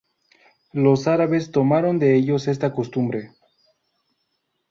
Los árabes tomaron de ellos esta costumbre.